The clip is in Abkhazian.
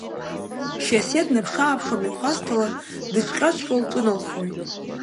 Шьасиа днаԥшы-ааԥшуа мҩахәасҭала дыҿҟьа-ҿҟьо лҿыналхоит.